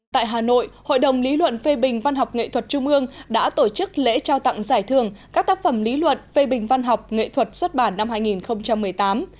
tại hà nội hội đồng lý luận phê bình văn học nghệ thuật trung ương đã tổ chức lễ trao tặng giải thưởng các tác phẩm lý luận phê bình văn học nghệ thuật xuất bản năm hai nghìn một mươi tám